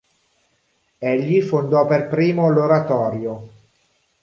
Egli fondò per primo l'oratorio.